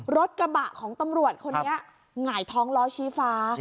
รถกระบะของตำรวจคนนี้หงายท้องล้อชี้ฟ้า